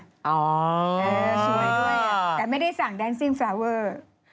สวยด้วยแต่ไม่ได้สั่งแดนซิ่งฟาเวอร์